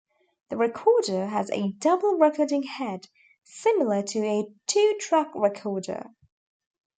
The recorder has a double recording head, similar to a two-track recorder.